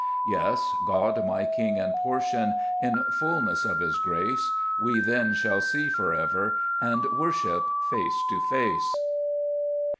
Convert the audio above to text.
7 Yes, God, my King and Portion, In fulness of His grace, We then shall see for ever, And worship face to face.